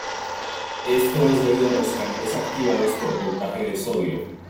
Esto es debido a los canales activados por voltaje de sodio.